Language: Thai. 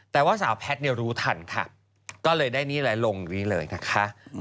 แต่ว่าสาวแพทย์เนี่ยรู้ทันค่ะก็เลยได้นี่แหละลงนี้เลยนะคะ